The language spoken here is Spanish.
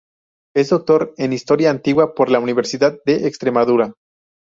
Es doctor en Historia Antigua por la Universidad de Extremadura.